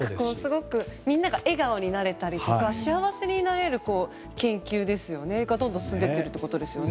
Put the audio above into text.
すごくみんなが笑顔になれたり幸せになれる研究がどんどん進んでいっているということですよね。